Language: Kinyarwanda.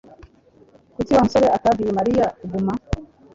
Kuki Wa musore atabwiye Mariya kuguma